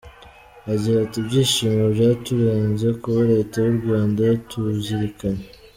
Agira ati “Ibyishimo byaturenze kuba Leta y’u Rwanda yatuzirikanye.